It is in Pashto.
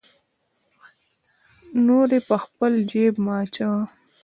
نورې په خپل جیب مه اچوه.